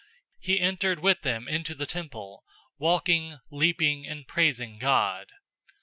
He entered with them into the temple, walking, leaping, and praising God.